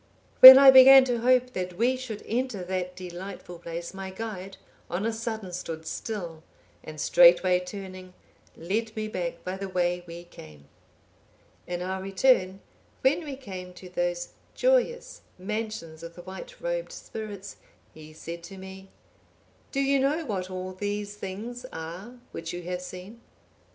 When I began to hope that we should enter that delightful place, my guide, on a sudden stood still; and straightway turning, led me back by the way we came. "In our return, when we came to those joyous mansions of the white robed spirits, he said to me, 'Do you know what all these things are which you have seen?